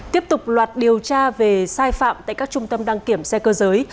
tiếp tục loạt điều tra về sai phạm tại các trung tâm đăng kiểm xe cơ giới